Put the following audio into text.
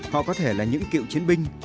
họ có thể là những cựu chiến binh